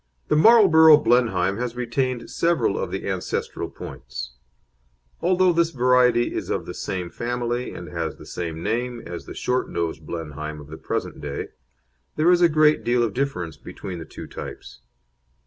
The Marlborough Blenheim has retained several of the ancestral points. Although this variety is of the same family, and has the same name, as the short nosed Blenheim of the present day, there is a great deal of difference between the two types.